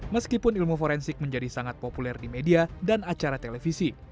meskipun ilmu forensik menjadi sangat populer di media dan acara televisi